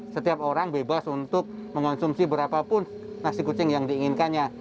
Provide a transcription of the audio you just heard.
setiap orang bebas untuk mengonsumsi berapapun nasi kucing yang diinginkannya